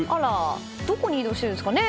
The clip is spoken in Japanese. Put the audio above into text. どこに移動しているんですかね。